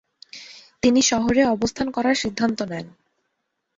তিনি শহরে অবস্থান করার সিদ্ধাত নেন।